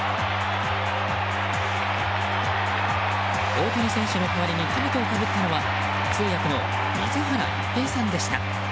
大谷選手の代わりにかぶとをかぶったのは通訳の水原一平さんでした。